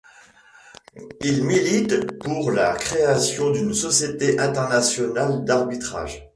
Il milite pour la création d'une société internationale d'arbitrage.